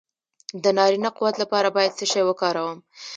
د نارینه قوت لپاره باید څه شی وکاروم؟